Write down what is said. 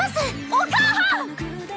お母はん！